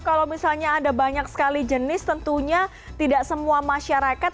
kalau misalnya ada banyak sekali jenis tentunya tidak semua masyarakat